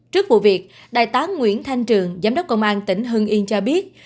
trước vụ việc đại tá nguyễn thanh trường giám đốc công an tỉnh hưng yên cho biết